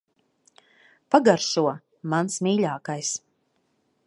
Pagaršo. Mans mīļākais.